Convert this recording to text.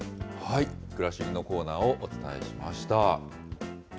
くらしりのコーナーをお伝えしました。